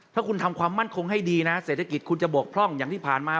ถ้าคุณทำความมั่นคงให้ดีนะเศรษฐกิจคุณจะบกพร่องอย่างที่ผ่านมา